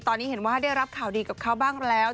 ตอนนี้เห็นว่าได้รับข่าวดีกับเขาบ้างแล้ว